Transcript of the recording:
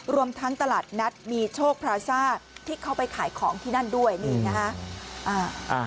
รวมทั้งตลาดนัดมีโชคพลาซ่าที่เขาไปขายของที่นั่นด้วยนี่นะฮะ